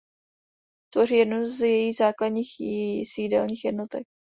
Tvoří jednu z jejích základních sídelních jednotek.